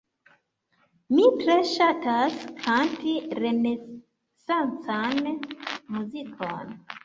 Mi tre ŝatas kanti renesancan muzikon.